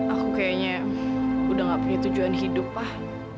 aku kayaknya udah gak punya tujuan hidup lah